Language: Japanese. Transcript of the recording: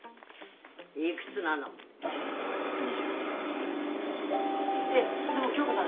いくつなの２３２３いやでも響子さん